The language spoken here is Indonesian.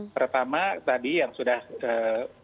pertama tadi yang sudah ee